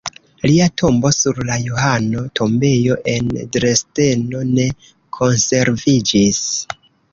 Lia tombo sur la Johano-Tombejo en Dresdeno ne konserviĝis.